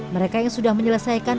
mereka yang sudah menyelesaikan